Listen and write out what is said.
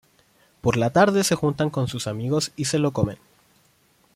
Por la tarde se juntan con sus amigos y se lo comen.